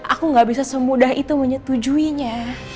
aku gak bisa semudah itu menyetujuinya